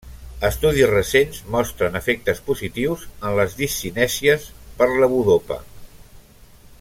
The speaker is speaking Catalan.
Estudis recents mostren efectes positius en les discinèsies per levodopa.